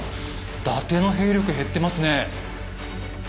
伊達の兵力減ってますね。